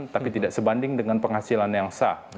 tapi tidak sebanding dengan penghasilan yang sah